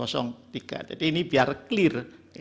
jadi ini biar clear